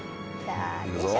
よいしょ